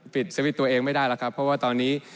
ปิดสวิตช์ตัวเองไม่ได้แล้วครับเพราะว่าตอนนี้